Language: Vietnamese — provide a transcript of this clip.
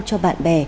cho bạn bè